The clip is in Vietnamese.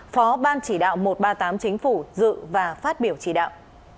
phó ban chỉ đạo một trăm ba mươi tám chính phủ dự và phát biểu chỉ đạo